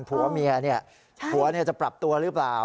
ผัวเมียผัวจะปรับตัวหรือเปล่า